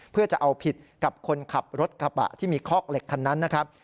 เพื่อจะเอาผิดกับคนขับรถกระบะที่มีคอกเหล็กคันนั้นนะครับ